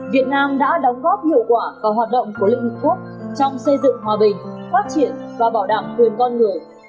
việt nam đã đóng góp hiệu quả và hoạt động của liên hợp quốc trong xây dựng hòa bình phát triển và bảo đảm quyền con người